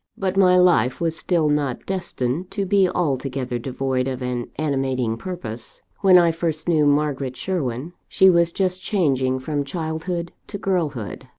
"But my life was still not destined to be altogether devoid of an animating purpose. When I first knew Margaret Sherwin, she was just changing from childhood to girlhood.